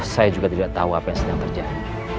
saya juga tidak tahu apa yang sedang terjadi